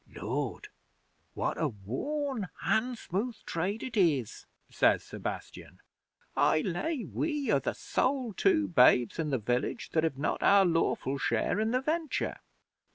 '"Lord! What a worn, handsmooth trade it is!" says Sebastian. "I lay we are the sole two babes in the village that have not our lawful share in the venture."